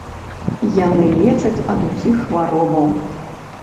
Яны лечаць ад усіх хваробаў!